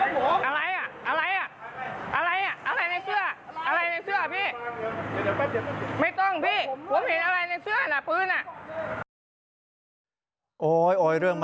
คุณทำอะไรแล้วผม